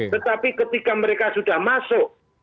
tetapi ketika mereka sudah masuk